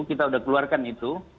kita sudah keluarkan itu